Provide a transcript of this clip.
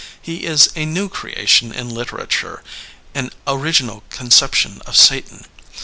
He is a new creation in literature, an original conception of Satan.